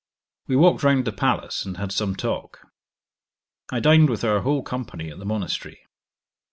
We walked round the palace, and had some talk. I dined with our whole company at the Monastery.